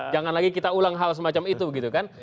jangan lagi kita ulang hal semacam itu gitu kan